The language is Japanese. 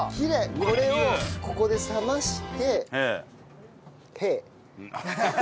これをここで冷まして。